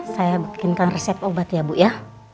saya bikinkan resep obat ya bu ya